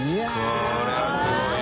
これはすごいわ。